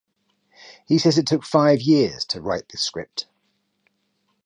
He says it took five years to write the script.